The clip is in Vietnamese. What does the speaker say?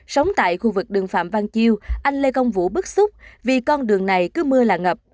sống tại khu vực đường phạm văn chiêu anh lê công vũ bức xúc vì con đường này cứ mưa là ngập